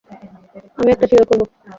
আমি এটা শিওর করব।